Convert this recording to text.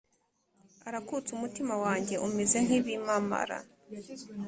arakutse Umutima wanjye umeze nk ibimamara